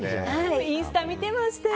インスタ見てました。